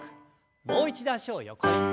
もう一度脚を横に。